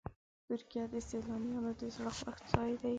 ترکیه د سیلانیانو د زړه خوښ ځای دی.